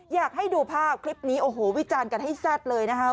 อยากให้ดูภาพคลิปนี้โอ้โหวิจารณ์กันให้แซ่บเลยนะคะ